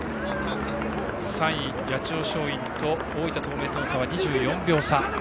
３位、八千代松陰と大分東明は２４秒差。